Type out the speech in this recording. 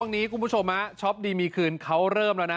คุณผู้ชมช็อปดีมีคืนเขาเริ่มแล้วนะ